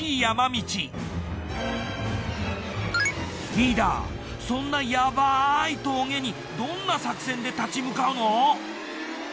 リーダーそんなヤバい峠にどんな作戦で立ち向かうの？